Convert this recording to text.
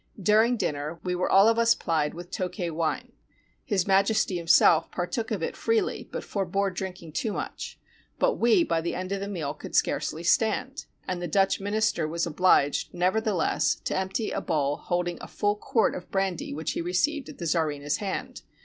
During dinner we were all of us plied with Tokay wine. His Majesty himself partook of it freely, but forbore drinking too much; but we by the end of the meal could scarcely stand, and the Dutch minister was obliged, nevertheless, to empty a bowl holding a full quart of brandy which he received at the czarina's hand.